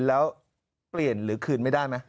แล้วเปลี่ยนหรือคืนไม่ได้ไหม